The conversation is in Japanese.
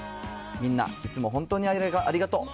みんな、いつも本当にありがとう。